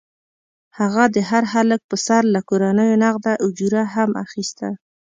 هغه د هر هلک پر سر له کورنیو نغده اجوره هم اخیسته.